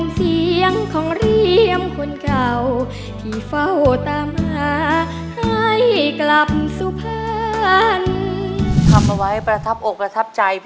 ทำมาไว้ประทับอกประทับใจ